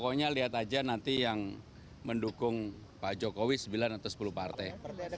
dan itu adalah hal yang harus diketahui